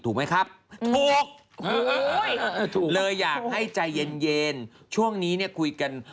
ถูกไหมครับ